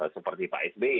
seperti pak sbe